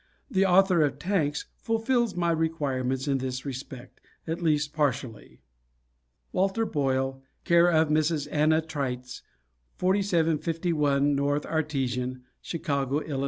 The author of "Tanks" fulfills my requirements in this respect, at least partially. Walter Boyle, c/o Mrs. Anna Treitz, 4751 North Artesian, Chicago, Ill.